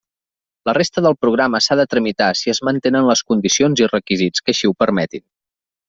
La resta del programa s'ha de tramitar si es mantenen les condicions i requisits que així ho permetin.